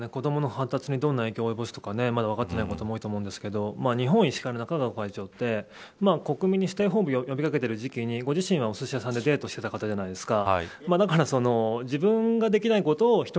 子どもの発達にどんな影響をおよぼすとか分かっていないことも多いと思いますが日本医師会の中川会長はステイホームを呼び掛けていたときにご自身は、おすし屋さんでデートしていた人じゃないですか。